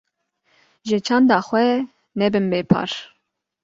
Ji çanda xwe nebin bê par.